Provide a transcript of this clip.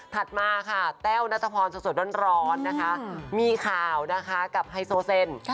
มาค่ะแต้วนัทพรสดร้อนนะคะมีข่าวนะคะกับไฮโซเซน